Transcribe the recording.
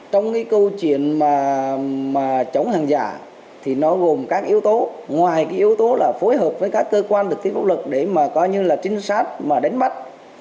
trong câu chuyện chống hàng giả nó gồm các yếu tố ngoài yếu tố phối hợp với các cơ quan thực tế pháp luật để chính xác đánh bắt